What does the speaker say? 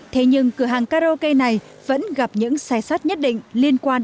thế nhưng cửa hàng karaoke này vẫn gặp những sai sót nhất định liên quan